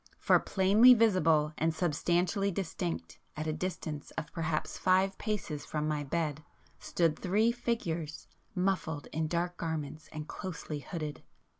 For, plainly visible and substantially distinct, at a distance of perhaps five paces from my bed, stood three Figures, muffled in dark garments and closely hooded.